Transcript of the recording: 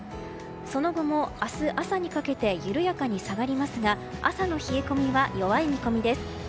その後も、明日朝にかけて緩やかに下がりますが朝の冷え込みは弱い見込みです。